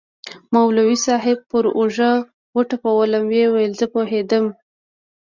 مولوي صاحب پر اوږه وټپولوم ويې ويل زه پوهېدم.